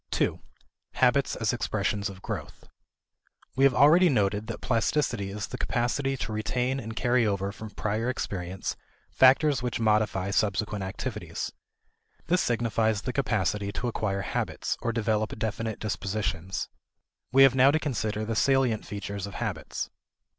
2. Habits as Expressions of Growth. We have already noted that plasticity is the capacity to retain and carry over from prior experience factors which modify subsequent activities. This signifies the capacity to acquire habits, or develop definite dispositions. We have now to consider the salient features of habits.